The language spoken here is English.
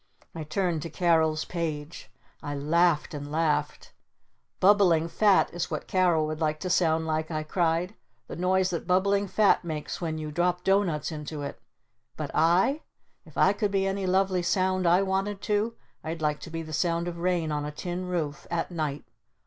I turned to Carol's page. I laughed and laughed. "Bubbling Fat is what Carol would like to sound like!" I cried. "The noise that Bubbling Fat makes when you drop doughnuts into it! But I? If I could be any lovely Sound I wanted to, I'd like to be the Sound of Rain on a Tin Roof at night!